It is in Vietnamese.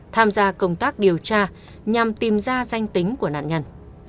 tham gia công tác điều tra nhằm tìm ra danh tính của nạn nhân